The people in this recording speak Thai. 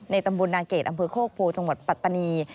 ตำบลนาเกดอำเภอโคกโพจังหวัดปัตตานี